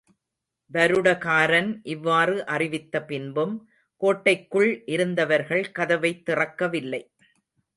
வருடகாரன் இவ்வாறு அறிவித்த பின்பும், கோட்டைக்குள் இருந்தவர்கள் கதவைத் திறக்கவில்லை.